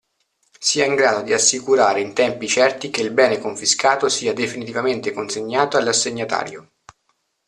Sia in grado di assicurare in tempi certi che il bene confiscato sia definitivamente consegnato all'assegnatario.